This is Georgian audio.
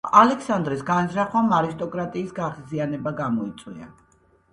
ალექსანდრეს განზრახვამ არისტოკრატიის გაღიზიანება გამოიწვია.